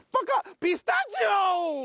ピスタチオ！